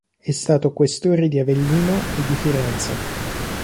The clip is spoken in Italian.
È stato questore di Avellino e di Firenze.